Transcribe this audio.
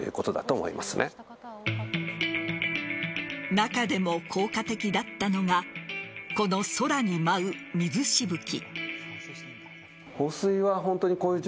中でも効果的だったのがこの空に舞う水しぶき。